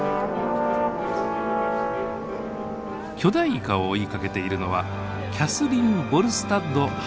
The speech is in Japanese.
巨大イカを追いかけているのはキャスリン・ボルスタッド博士。